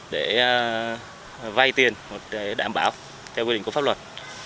để vay tiền để đảm bảo theo quy định của pháp luật